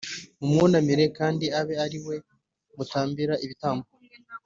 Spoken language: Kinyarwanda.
mumwunamire kandi abe ari we mutambira ibitambo